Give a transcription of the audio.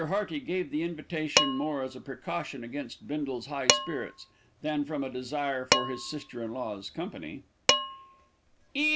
Hearty gave the invitation more as a precaution against Bindle's high spirits, than from a desire for his sister in law's company.